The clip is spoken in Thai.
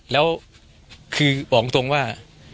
แล้วคือบอกตรงว่า